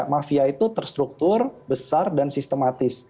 mafia itu terstruktur besar dan sistematis